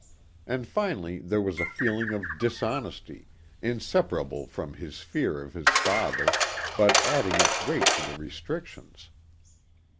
And finally there was a feeling of dishonesty, inseparable from his fear of his father, but adding its weight to the restrictions.